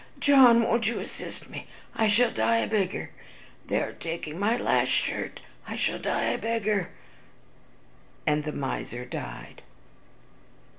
John, won't you assist me, I shall die a beggar; they are taking my last shirt, I shall die a beggar." And the miser died.